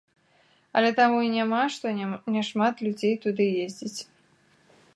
Але таму і няма, што няшмат людзей туды ездзіць.